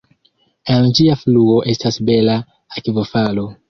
En ĝia fluo estas bela akvofalo.